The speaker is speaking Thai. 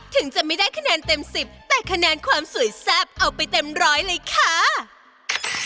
ถึงจะไม่ได้คะแนนเต็มสิบแต่คะแนนความสวยแซ่บเอาไปเต็มร้อยเลยค่ะ